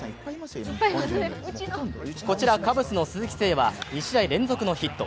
こちら、カブスの鈴木誠也は２試合連続のヒット。